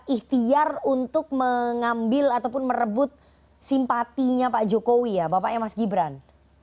ikhtiar untuk mengambil ataupun merebut simpatinya pak jokowi ya bapaknya mas gibran